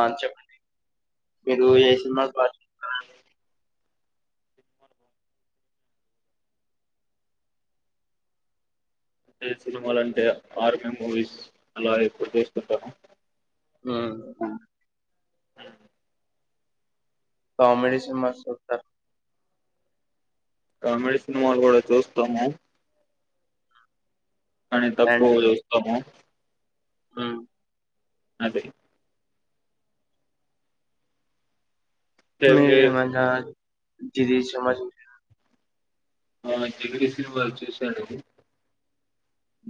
అ చెప్పండి మీరు ఏ సినిమాలు బాగా చూస్తూ అదే సినిమాలంటే ఆర్మీ మూవీస్... అలా ఎక్కువ చేస్తుంటను.. ఆ.... అ... కామెడిీ సినిమా చూస్తా కామెడీ సినిమాలు కూడా చూస్తాము. కానీ తక్కువగ చూస్తాము.. హ్మ్మ్ అదే మీరు మజా.... దీ దీ సమాజ్.. ఆ.. జెమిని సినిమాలు చూశాను...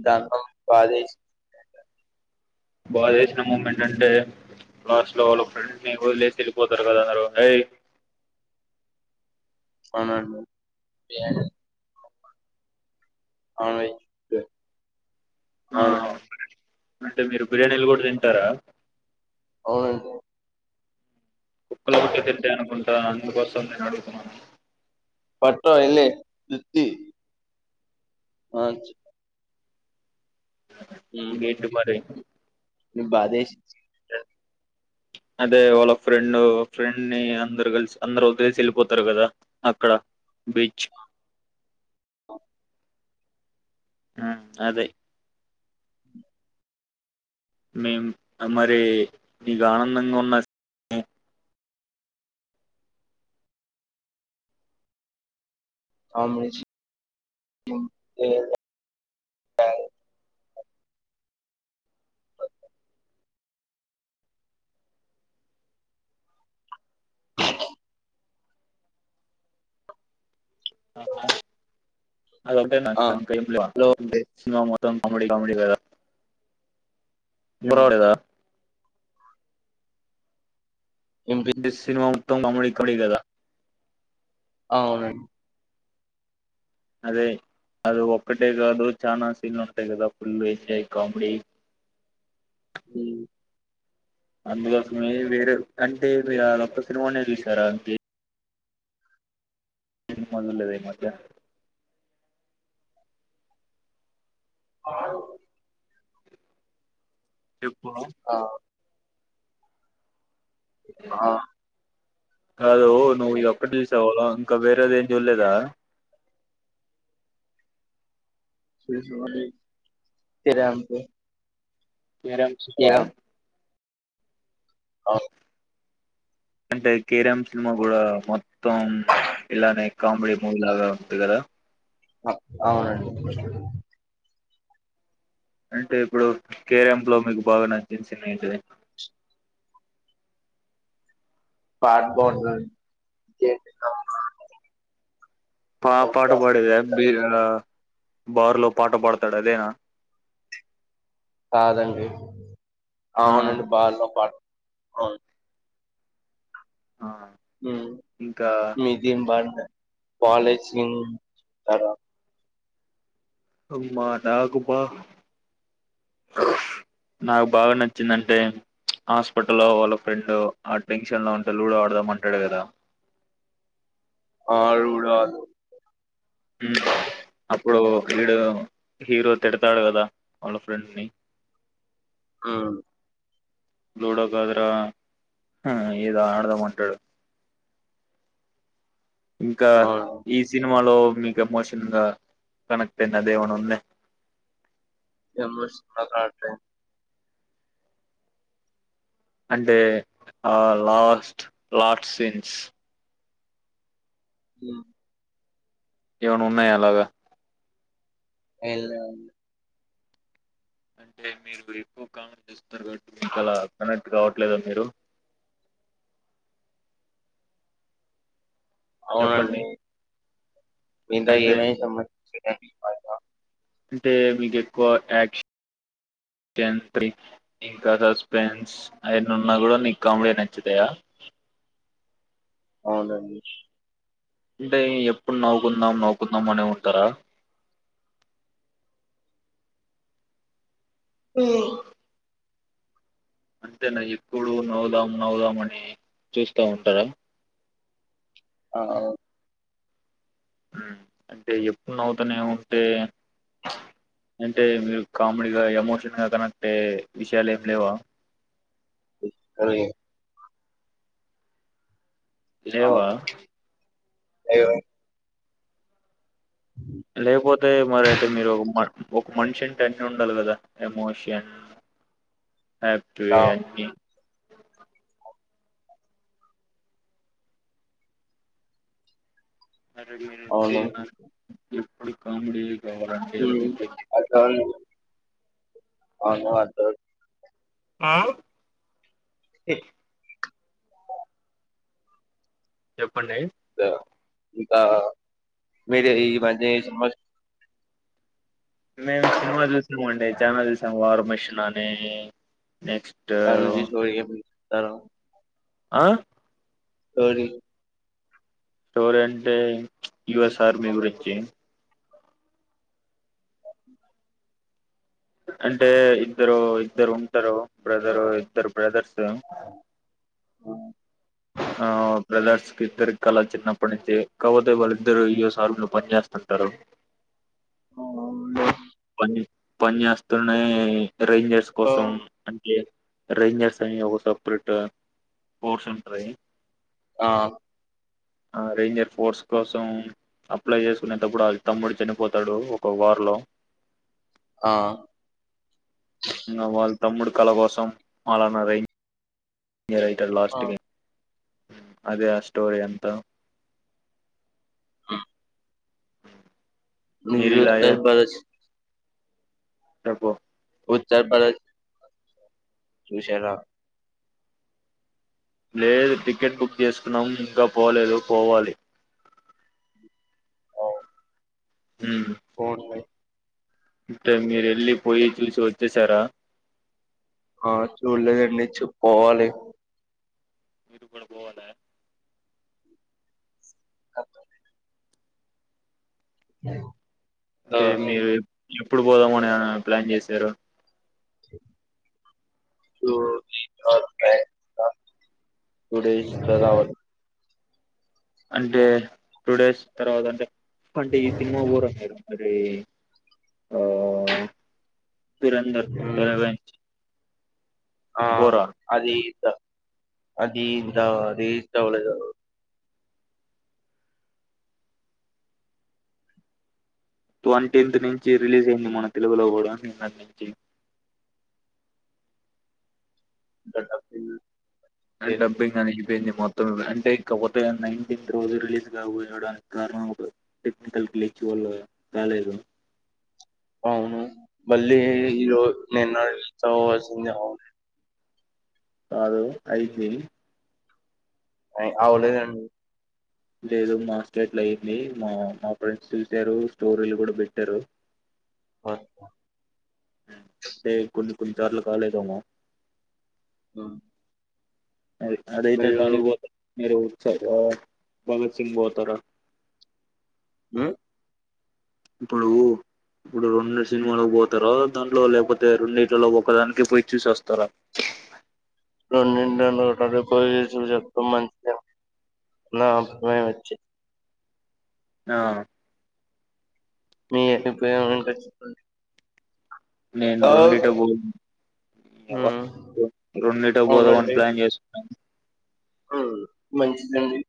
దాంతో.. బాదేసి..... బాద వేసిన మూమెంట్ అంటే..... లాస్ట్లో వాళ్ళ ఫ్రెండ్ ను వదిలేసి వెళ్ళిపోతారు కదా వాళ్ళు ఏయ్ అవునండి... గాహ్... ఆమేద్.... ఆ, ఆమే..... అంటే మీరు బిర్యానీలు కూడ తింటరా. అవును. కుక్కల తొట్లు పెట్టాయి అనుకుంటా... అందుకోసం నేను అడుగుతున్నాను. పట్టా ఇల్లే ఇ... అంచి.... ఇంకేటిది మరి ఇ బాధేసి... చి.. డన్.... అదే... వాళ్ళ ఫ్రెండు, ఫ్రెండ్ ని అందరు కలిసి అందరు ఒదిలేసి వెళ్ళిపోతారు కదా, అక్కడ బీచ్... అబ్.... ఆ.. అదే.. మేం మరీ.. ఇగ ఆనందంగా ఉన్న... ఉ...... అ.... [inaudible] చ్..... ఆ..... అది ఒకటేనా ఆ ఇంకా ఏం లేవా.... లో నో మోర్.. కం కమెడి, కమెడి గదా.... హ్మ్ బూడిద.... ఎంపి డిస్ సినిమావ్... మొత్తం కామెడీ, కామెడీ గదా.... అవునండ్..... అదే.. అది ఒక్కటే కాదు, చానా సీన్లు ఉంటాయి కదా, ఫుల్ ఎంజాయ్ కామెడీ.. ఉ.... అందులో మెయిన్ లీడర్ అంటే.. మీరు ఆ ఒక్క సినిమానే చూసారా అంతే... మందు లేదా ఈ మధ్య.... ఆహ్... చుప్... పొలో.... ఆ ఆ కాదు నువ్వు ఎక్కడ చూసావాళ్ళం ఇంకా వేరేది ఏం చూడలేదా శ మాల తరే అంంట మీరం ఆ అంటే కేరం సినిమా కూడా మొత్తం ఇలానే కామెడీ మూవీ లాగా ఉంటంది కదా అవునండి అంటే ఇప్పుడు కేరం లో మీకు బాగా నచ్చ నంటిది పాఠ బ ఆ పాఠ పాడద బ బారులో పాట పాడతాడు అదేనా కాదండి ఆ అవునండి బాగా పా అవును ఆ ఇంకా మీదిం బారన్నా పాలచంగ్ తారా అమ్మా నాకు బా నాకు బాగా నచ్చిందంటే హాస్పిటల్లో వాళ్ళ ఫ్రెండ్ ఆ టెన్షన్ లో ఉంటే లూడో ఆడదామంటాడు కదా అ రూడు అప్పుడు వీడు హీరో తిడతాడు కదా వాళ్ళ ఫ్రెండ్ ని ఆ డ కాద్ర ఇద ఆడదా మాంటడు ఇంకా అవును ఈ సినిమా సినిలో మీకుమోషన్ంగా కనెక్ట్ అయింది దేవన ఉంద ఎం ఎస్ ఉండాలి రా అంటే అంటే ఆ లాస్ట్ లాస్ట్ సీన్స్ [inaudible] ఏమనా ఉన్నాయా అలాగా ఏ లేవ్ అంటే మీరు ఎక్కువ కామెంట్ చేస్తారు కాబట్టి ఇకా అలా కనెక్ట్ కావట్లేదా మీరు చెప్పండి అవునండి [inaudible] మిగత అయితే ఏదైనా సంబంధించి అంటే మీకు ఎక్కువ యాక్షన్ ఇంకా సస్పెన్స్ అయిన్న ఉన్నా కూడా నీకు కామెడీ నచ్చుతాయా అవునండి టే ఎప్పుడు నోవుకుందాం నవు కుందాంమనే ఉంటారా ఆ అంతేనా ఎప్పుడూ నవ్దాం నవ్దాం అని చూస్తా ఉంటారా ఆ ఆ అంటే ఎప్పుడు నవ్వుతనే ఉంటే.. అంటే మీరు కామెడీగా, ఎమోషన్ గా కనెక్టే విషయాలు ఏం లేవా.... ఇ.. అలోయే.. అవును లేవా.... [inaudible] లేకపోతే మరి అయితే మీరు మ ఒక మనిషి అంటే అన్ని ఉండాలి కదా ఎమోషన్..... ఆక్టివ్ అన్ని అడితే అవును మ.... ఎప్పుడు కామెడీయే.. మ్మ్ [unintelligible] అవును వాటర్. మ్మ్ ఎ చెప్పండి దా... ఇకా..... మీరు ఈ మధ్య ఏ సినిమాల్... మేము సినిమా చూసామండి, చానా చూసాం వారం చానా నే నెక్స్ట్ హలో.. అ.... స్టోరీలు స్టోరీ అంటే.... అంటే.. ఇద్దరు, ఇద్దరు ఉంటరు. బ్రదరు ఇద్దరు బ్రదర్స్.... ఉ.... ఆ.. బ్రదర్స్ కి ఇద్దరి కళ చిన్నప్పటి నుంచి కాబోతే వాళ్ళిద్దరు ఇఎస్ సార్ ఇంట్లో పని చేేస్తుంటారు. పన్. చస్తే నే రేంజర్స్ కోసం... అంటే.... రేంజర్స్ అని ఒక సపరేట్... ఫోర్స్ ఉంటది.. ఆ..... ఆ... రేంజర్ ఫోర్స్ కోసం అప్లై చేసుకునేటప్పుడు అది తమ్ముడు చనిపోతాడు ఒక వార్ లో..... ఆ..... ఇంగ వాళ్ళ తమ్ముడు కళ కోసం మాలన రేంజ్.. ఎ రైటరు లాస్ట్ గే.... అదే.. ఆ స్టోరీ ఎంత..... అ...... మీరు ఇలా నిఉత్తర్ పరదేశ్ చెప్పు..... ఉత్తర్ ప్రదేశ్ చూశారా...... లేదు టికెట్ బుక్ చేసుకున్నాం ఇంకా పోలేదు పోవాలి ఉమ్ కోన్ వై అంటే మీరు వెళ్ళి పోయి చూసి వచ్చేసారా ఆ చూడలేదండి చూ పోవాలి మీరు కూడా పోవాలా ఓక ఆ అంటే మీరు ఇప్పుడు పోదామని ప్లాన్ చేశారు టూ డే ఇజ్. రావాలి అంటే టూ డేస్ తర్వాత అంటే అంటే ఈ సినిమా పోర మి ఎఆ దురందర్ ధ రీవేంజ్ ఆ అది అది ఇంత అదే రీచ్ అవలేదు ట్వంటీన్త్ నుంచి రిలీజ్ అయింది మన తెలుగులో కూడా నిన్నటినుంచి సెట్టా డబ్బింగ్ అని అయిపోయింది మొత్తం అంటే ఇకపోతే నైటింత్.. రోజు రిలీజ్గా పోయడానికి కారణం టెక్నికల్ గిచి వాళ్ళు రాలేదు అవును మళ్ళీ ఈరో నిన్నస [inaudible] కాదు ఐదుతేదీ అయి అవులేదండి లేదు మార్కెట్ లో అయింది మా మా ఫ్రెండ్స్ చూసారు స్టో రియలుకూడా పెట్టారు అంటే కొన్ని కొన్నిసార్లు కాలేదామ ఆ అది అదయితే బానే మీరుఉత్స వ భగత్ సింగ్ బోతార ఆ ఇప్పుడు ఇప్పుడు రెండు సినిమాలు పోతారు దాంట్లో లేకపోతే రెండు ఇట్లో ఒకదానికి పోయి చూసోస్తరా రెండింటిలోఒకటి పోయెసిమై మంచిద నా అమ వచ్చి ఆ మీ అయిపోయానంక చెప్పండి నేను రెండిట పో ఉమ్ రెండిట పోదామని అవునండి ప్లాన్ చేస్తున్నాను ఉమ్ మంచి నండి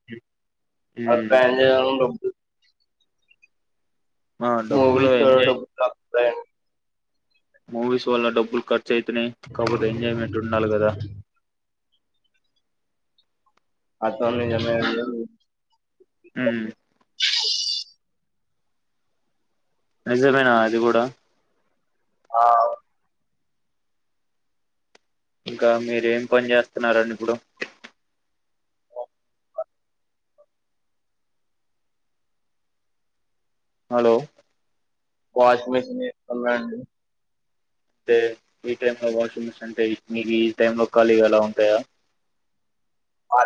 ఉమ్, అబ్బాయి అని దాన్లాలో ఆ, మూవీ డబ్బులు చుడండ ఎంజాయ్ మ్ మూవీస్ వాల్ల డబ్బులు కట్ చ్యతునాయి కాకపోతే ఎంజాయ్మెంట్ ఉండాలి కదా అతని అన్నాయ్ జమీ ఉమ్ నిజమేనా అది కూడా ఆ ఇంకా మీరేం పని చేస్తున్నరండి ఇప్పుడు హలో వాష్మిషన్ కొన్న అండి ట్టే ఈ టైం లో వాషింగ్ మెషన్ అంటే ఇ మీకు మీ ఈ టైం లో ఖాళీగా ఎలా ఉంటాయా అ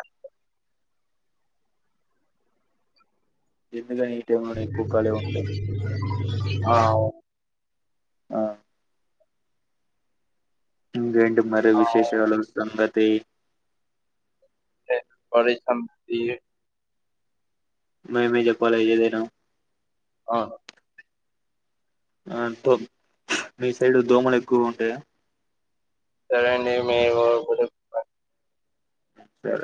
ఇ ఆవ్ ఆ ఉంది మరి ఆ విశేషలాస్తాను సంగతి ట్టే పరి సంగతి మేమే చెప్పాలి ఏదైనా అ ఆ దో మీ సైడ్ దోమలు ఎక్కువ ఉంటాయా సరేయండి మీ కొడుకులు మ్ సరే